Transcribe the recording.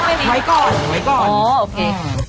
ไว้ก่อนไว้ก่อนอ๋อโอเค